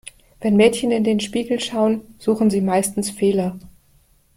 Wenn Mädchen in den Spiegel schauen, suchen sie meistens Fehler.